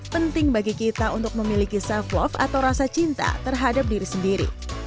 penting bagi kita untuk memiliki self love atau rasa cinta terhadap diri sendiri